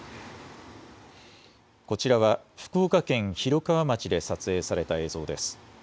こちらは福岡県広川町で撮影された映像です。